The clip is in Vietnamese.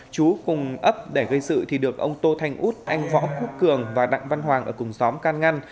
chú cùng ấp để gây sự thì được ông tô thanh út anh võ quốc cường và đặng văn hoàng ở cùng xóm can ngăn